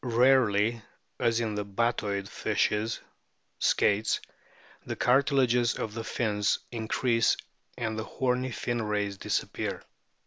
Rarely, as in the Batoid fishes (Skates), the cartilages of the fins increase and the horny fin rays disappear.